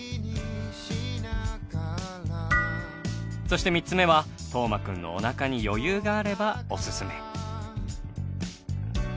そして３つ目は斗真くんのおなかに余裕があればおすすめ。